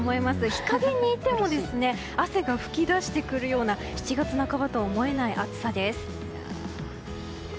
日陰にいても汗が噴き出してくるような７月半ばとは思えない暑さです。